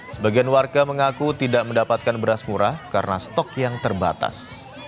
sebagian warga mengaku tidak mendapatkan beras murah karena stok yang terbatas